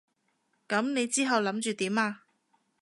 噉你之後諗住點啊？